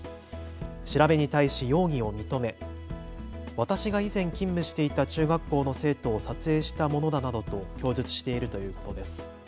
調べに対し容疑を認め私が以前勤務していた中学校の生徒を撮影したものだなどと供述しているということです。